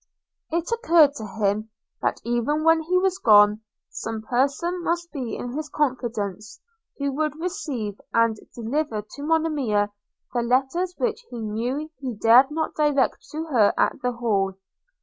– It occurred to him, that even when he was gone, some person must be in his confidence, who would receive, and deliver to Monimia, the letters which he knew he dared not direct to her at the Hall.